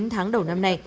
chín tháng đầu năm nay